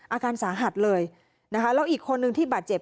อาการสาหัสเลยนะคะแล้วอีกคนนึงที่บาดเจ็บ